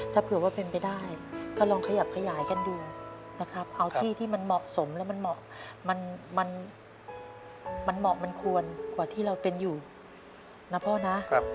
ถ้าเผื่อว่าเป็นไปได้ก็ลองขยับขยายกันดูนะครับเอาที่ที่มันเหมาะสมแล้วมันเหมาะมันเหมาะมันควรกว่าที่เราเป็นอยู่นะพ่อนะ